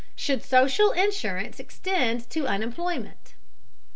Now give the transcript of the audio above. SHOULD SOCIAL INSURANCE EXTEND TO UNEMPLOYMENT?